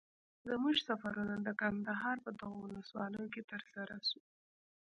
زموږ سفرونه د کندهار په دغو ولسوالیو کي تر سره سو.